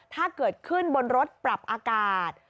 ถ้าเกิดขึ้นบนรถปรับอากาศ